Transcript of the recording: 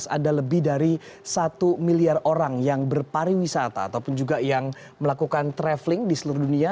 ada lebih dari satu miliar orang yang berpariwisata atau melakukan traveling di seluruh dunia